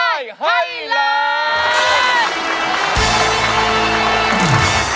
ในรายการแต่ลูกทุ่ง